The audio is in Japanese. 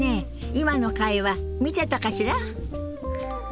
今の会話見てたかしら？